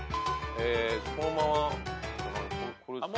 そのまま。